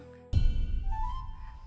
kita bisa beli sendiri kok nanti